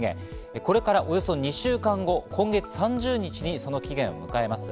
これからおよそ２週間後、今月の３０日にその期限を迎えます。